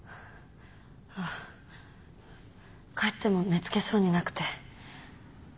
あ帰っても寝付けそうになくて。